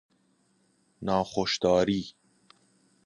ناخوش داری